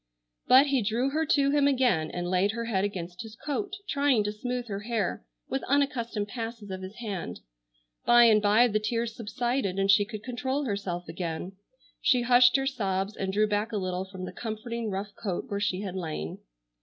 But he drew her to him again and laid her head against his coat, trying to smooth her hair with unaccustomed passes of his hand. By and by the tears subsided and she could control herself again. She hushed her sobs and drew back a little from the comforting rough coat where she had lain.